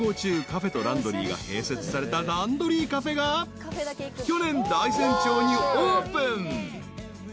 カフェとランドリーが併設されたランドリーカフェが去年大山町にオープン］